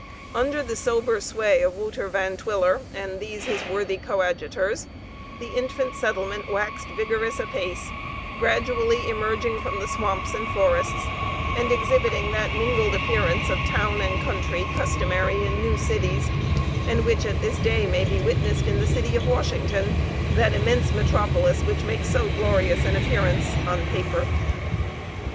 Under the sober sway of Wouter Van Twiller and these his worthy coadjutors, the infant settlement waxed vigorous apace, gradually emerging from the swamps and forests, and exhibiting that mingled appearance of town and country customary in new cities, and which at this day may be witnessed in the city of Washington; that immense metropolis, which makes so glorious an appearance on paper.